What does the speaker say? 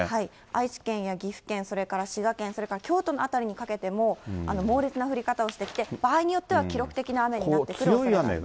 愛知県や岐阜県、それから滋賀県、それから京都の辺りにかけても、猛烈な降り方をしてきて、場合によっては、記録的な雨になってくるおそれがあります。